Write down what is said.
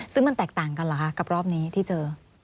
ซึ่งมันแตกต่างกันเหรอคะกับรอบนี้ที่เจอ